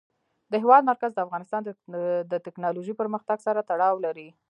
د هېواد مرکز د افغانستان د تکنالوژۍ پرمختګ سره تړاو لري.